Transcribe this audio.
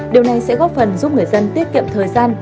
điều này sẽ góp phần giúp người dân tiết kiệm thời gian